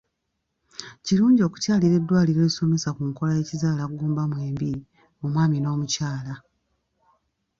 Kirungi okukyalira eddwaliro erisomesa ku nkola z'ekizaalaggumba mwembi, omwami n'omukyala.